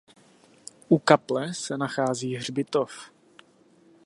U kaple se nachází hřbitov.